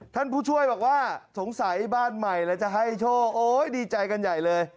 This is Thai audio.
ท่านผู้ช่วยบอกว่าสงสัยบ้านใหม่แล้วจะให้โชคโอ้ยดีใจกันใหญ่เลย